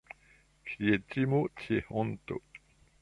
Kie timo, tie honto.